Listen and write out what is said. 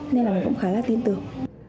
nên là mình cũng khá là tin tưởng